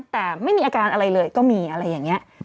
แต่ไม่มีอาการอะไรเลยก็มีอะไรอย่างนี้